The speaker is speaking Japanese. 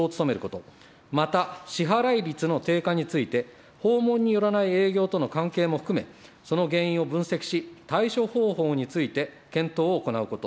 また支払率の低下について、訪問によらない営業との関係も含め、その原因を分析し、対処方法について検討を行うこと。